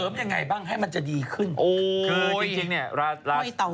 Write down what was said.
แต่ก็เริ่มยังไงบ้างให้มันจะดีขึ้น